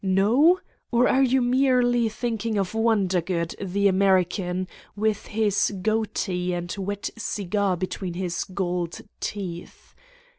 No? Or are you merely thinking of Wondergood, the American, with his goatee and wet cigar between his gold teeth